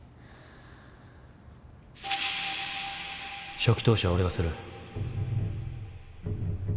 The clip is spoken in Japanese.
初期投資は俺がする。